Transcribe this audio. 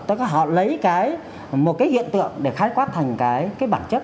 tức là họ lấy cái một cái hiện tượng để khai quát thành cái cái bản chất